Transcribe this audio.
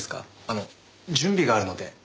あの準備があるので。